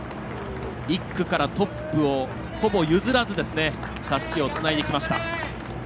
１区からトップをほぼ譲らず、たすきをつないできました。